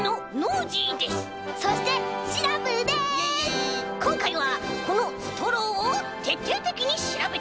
こんかいはこのストローをてっていてきにしらべてまいります！